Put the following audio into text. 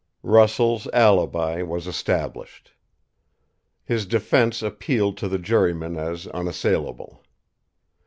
Russell's alibi was established. His defence appealed to the jurymen as unassailable.